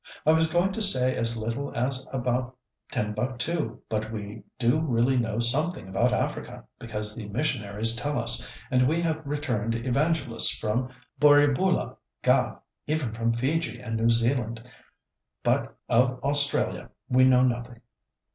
I was going to say as little as about Timbuctoo, but we do really know something about Africa, because the missionaries tell us, and we have returned evangelists from Borioboolah Gha, even from Fiji and New Zealand. But of Australia we know nothing."